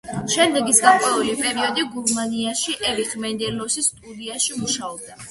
შემდეგ ის გარკვეული პერიოდი გერმანიაში ერიხ მენდელსონის სტუდიაში მუშაობდა.